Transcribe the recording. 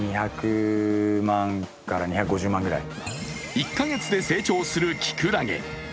１か月で成長するきくらげ。